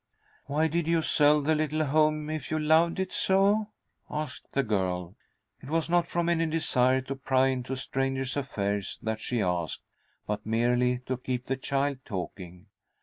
"Why did you sell the little home if you loved it so?" asked the girl. It was not from any desire to pry into a stranger's affairs that she asked, but merely to keep the child talking.